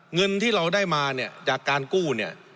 เงินที่เราได้มาเนี่ยจากการกู้เนี่ย